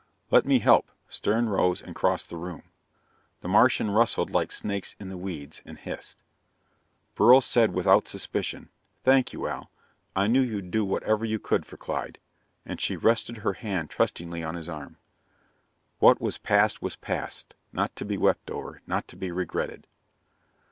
"Let me help." Stern rose and crossed the room. The Martian rustled like snakes in the weeds, and hissed. Beryl said without suspicion, "Thank you, Al. I knew you'd do whatever you could for Clyde." And she rested her hand trustingly on his arm. What was past was past, not to be wept over, not to be regretted.